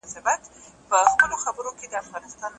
يوه ورځ ابليس راټول كړل اولادونه